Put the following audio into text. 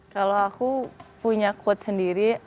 kalau aku punya quote sendiri